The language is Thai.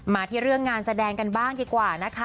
มาที่เรื่องงานแสดงกันบ้างดีกว่านะคะ